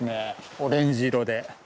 オレンジ色で。